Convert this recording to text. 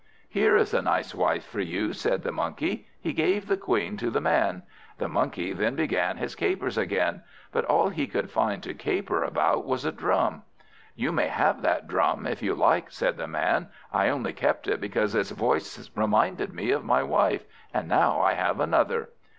"Here is a nice wife for you," said the Monkey. He gave the Queen to the Man. The Monkey then began his capers again, but all he could find to caper about, was a drum. "You may have that drum, if you like," said the Man. "I only kept it because its voice reminded me of my wife, and now I have another."